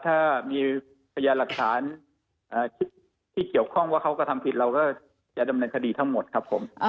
ถ้ามีพยานหลักฐานที่เกี่ยวข้องว่าเขากระทำผิดเราก็จะดำเนินคดีทั้งหมดครับผม